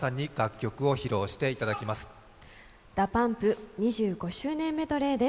ＤＡＰＵＭＰ２５周年メドレーです。